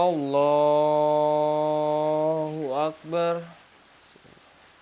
allahu akbar allahu akbar